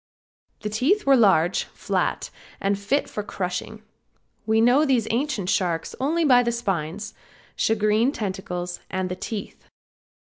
The teeth were large, flat and fit for crushing. We know these ancient sharks only by the spines, shagreen tentacles and the teeth.